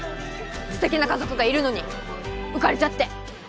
すてきな家族がいるのに浮かれちゃって！